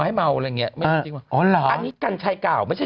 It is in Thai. ไหนกึ่งมีคริปไม่เห็น